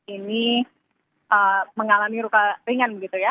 ini mengalami luka ringan